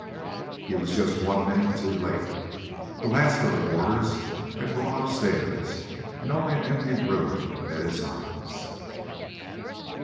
He was just one minute too late. The last of the boarders had gone up stairs, and only an empty room met his eyes.